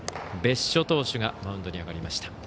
別所投手がマウンドに上がりました。